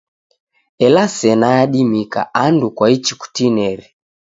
Ela sena yadimika angu kwaichi kutineri.